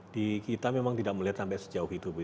di kita memang tidak melihat sampai sejauh itu bu